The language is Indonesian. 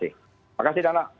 terima kasih dana